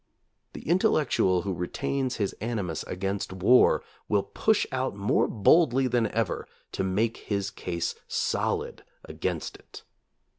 The intellectual who re tains his animus against war will push out more boldly than ever to make his case solid against it.